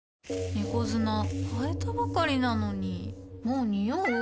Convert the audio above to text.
猫砂替えたばかりなのにもうニオう？